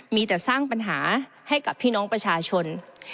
มีแต่สร้างปัญหาให้กับพี่น้องประชาชน